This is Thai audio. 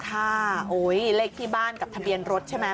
ถ้าเลขที่บ้านกับทะเบียนรถใช่ไหม